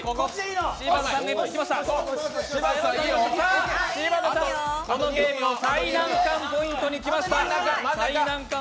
柴田さん、このゲームの最難関ポイントにいきました。